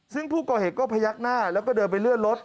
ซึ่งผู้ก่อเหตุก็พยักหน้าแล้วก็เดินไปเลื่อนรถ